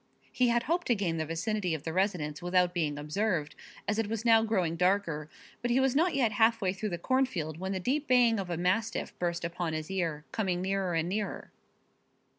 He had hoped to gain the vicinity of the residence without being observed, as it was now growing darker, but he was not yet halfway through the cornfield when the deep baying of a mastiff burst upon his ear, coming nearer and nearer.